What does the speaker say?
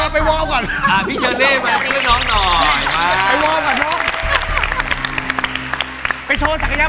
ไม่อยากให้พี่โชลิมาอยู่ข้างเลยค่ะ